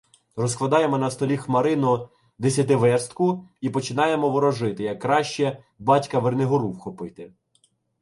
Розкладаємо на столі Хмарину "десятиверстку" і починаємо ворожити, як краще "батька Вернигору" вхопити.